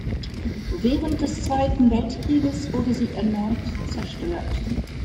Während des Zweiten Weltkrieges wurde sie erneut zerstört.